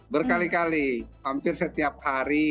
berkali kali hampir setiap hari